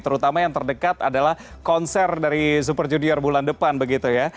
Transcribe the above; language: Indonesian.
terutama yang terdekat adalah konser dari super junior bulan depan begitu ya